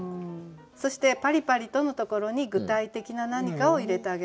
そして「パリパリと」のところに具体的な何かを入れてあげたらいいと。